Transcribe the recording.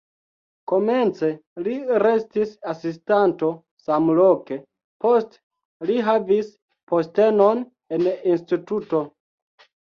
Komence li restis asistanto samloke, poste li havis postenon en instituto.